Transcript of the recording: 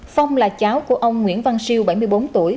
phong là cháu của ông nguyễn văn siêu bảy mươi bốn tuổi